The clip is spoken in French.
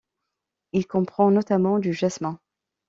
Il comprend notamment du jasmin.